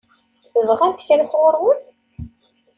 Bɣant kra sɣur-wen?